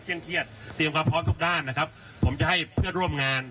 เครียดเตรียมความพร้อมทุกด้านนะครับผมจะให้เพื่อนร่วมงาน